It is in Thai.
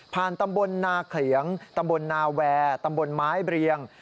ผ่านตำบลนาเขียงตำบลนาแวตำบลไม้เบียง